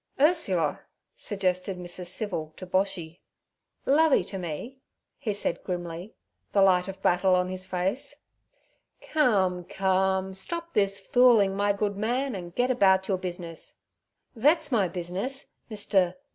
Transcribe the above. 'Ursula' suggested Mrs. Civil to Boshy. 'Lovey t' me' he said grimly, the light of battle on his face. 'Come, come! stop this fooling, my good man, and get about your business.' 'Thet's my business, Mr.—Mr.